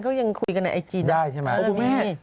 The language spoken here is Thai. เขายังคุยกันในไอจีนะได้ใช่ไหม